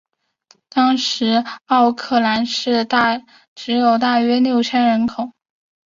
当时奥克兰市只有大约六千人口。